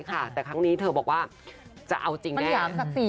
ไปสืบประวัติเลยขนาดหน้าการเมืองไม่ได้ฟ้องเลย